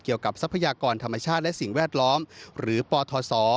ทรัพยากรธรรมชาติและสิ่งแวดล้อมหรือปทศ